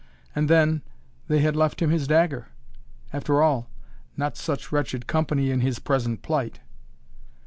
And then, they had left him his dagger. After all, not such wretched company in his present plight.